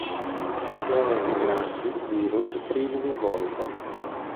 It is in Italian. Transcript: Sono i più grandi virus privi di involucro.